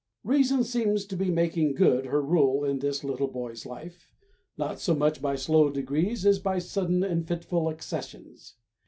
Reason seems to be making good her rule in this little boy's life, not so much by slow degrees as by sudden and fitful accessions.